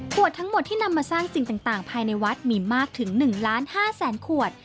ทั้งหมดที่นำมาสร้างสิ่งต่างภายในวัดมีมากถึง๑ล้าน๕แสนขวด